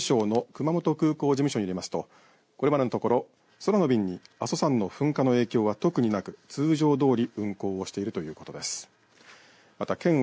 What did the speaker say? また国土交通省の熊本航空事務所によりますと、れまでのところ空の便に阿蘇山の噴火の影響は特になく通常通り運航しているということです。